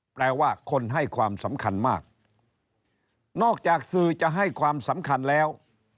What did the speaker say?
แปลว่าคนให้ความสำคัญมากนอกจากสื่อจะให้ความสำคัญแล้ว